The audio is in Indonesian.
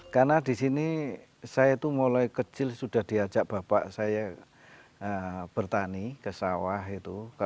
karena di sini saya itu mulai kecil sudah diajak bapak saya bertani ke sawah itu